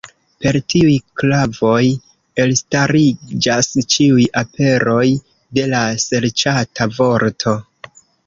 Per tiuj klavoj elstariĝas ĉiuj aperoj de la serĉata vorto.